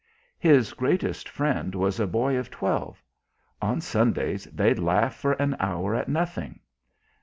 His greatest friend was a boy of twelve; on Sundays they'd laugh for an hour at nothing.